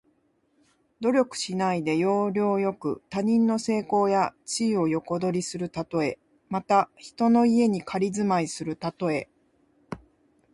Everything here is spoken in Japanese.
努力しないで、要領よく他人の成功や地位を横取りするたとえ。また、人の家に仮住まいするたとえ。